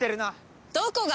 どこが！？